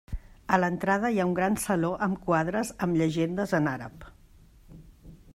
A l'entrada hi ha un gran saló amb quadres amb llegendes en àrab.